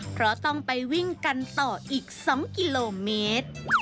เพราะต้องไปวิ่งกันต่ออีก๒กิโลเมตร